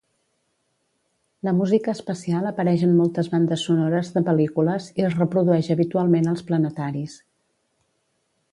La música espacial apareix en moltes bandes sonores de pel·lícules i es reprodueix habitualment als planetaris.